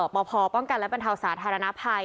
พป้องกันและบรรเทาสาธารณภัย